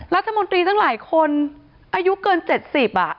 รัฐมนตรีตั้งหลายคนอายุเกิน๗๐อ่ะ